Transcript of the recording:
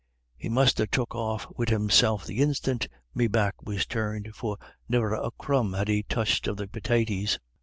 "He must ha' took off wid himself the instiant me back was turned, for ne'er a crumb had he touched of the pitaties."